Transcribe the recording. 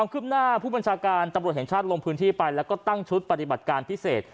ขึ้นหน้าผู้บัญชาการตำรวจแห่งชาติลงพื้นที่ไปแล้วก็ตั้งชุดปฏิบัติการพิเศษ